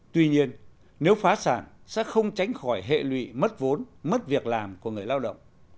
tuy nhiên nếu phá sản sẽ không tránh khỏi hệ lụy mất vốn mất việc làm của người lao động